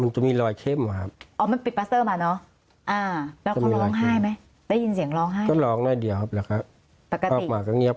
ใช่ไหมครับครับ